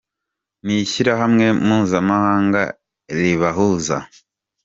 n’ishyirahamwe mpuzamahanga ribahuza.